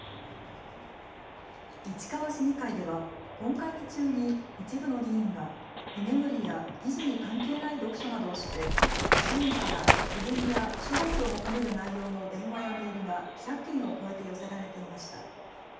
市川市議会では本会議中に一部の議員が居眠りや議事に関係ない読書などをして市民から苦言や処罰を求める内容の電話やメールが１００件を超えて寄せられていました。